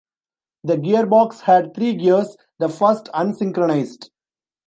The gearbox had three gears, the first unsynchronised.